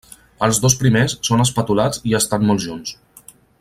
Els dos primers són espatulats i estan molt junts.